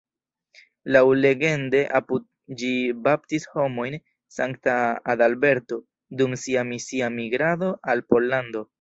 Laŭlegende apud ĝi baptis homojn Sankta Adalberto, dum sia misia migrado al Pollando.